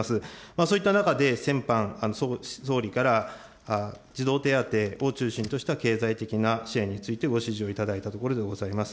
そういった中で先般、総理から、児童手当を中心とした経済的な支援についてご指示を頂いたところでございます。